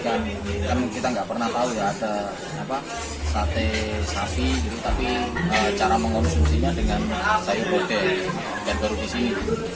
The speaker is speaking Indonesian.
kan kita nggak pernah tahu ya ada sate sapi gitu tapi cara mengonsumsinya dengan sayur kode yang baru di sini